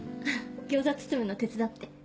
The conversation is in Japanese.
餃子包むの手伝って。